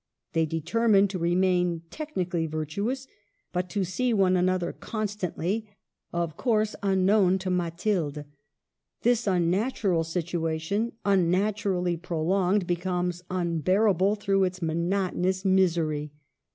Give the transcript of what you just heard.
They determine to remain technically virtuous, but to see one another con stantly — of course unknown to Mathilde. This unnatural situation — unnaturally prolonged, be comes unbearable through its monotonous misery.